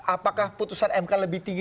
apakah putusan mk lebih tinggi